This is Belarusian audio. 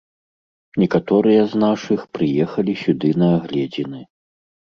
Некаторыя з нашых прыехалі сюды на агледзіны.